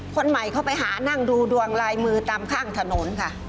คนใหม่เขาไปหานั่งดูดวงลายมือตามข้างถนนค่ะ